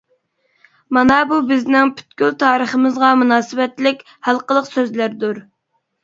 مانا بۇ بىزنىڭ پۈتكۈل تارىخىمىزغا مۇناسىۋەتلىك ھالقىلىق سۆزلەردۇر.